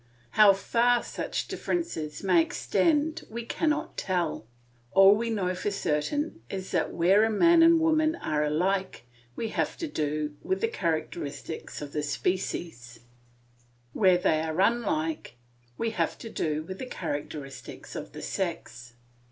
How far such differences may extend we cannot tell; all we know for certain is that where man and woman are alike we have to do with the characteristics of the species; where they are unlike, we have to do with the characteristics of sex.